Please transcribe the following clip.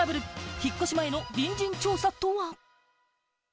引っ越し前の隣人調査とは？